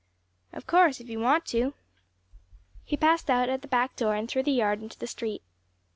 "Of course, if you want to." He passed out at the back door and through the yard into the street.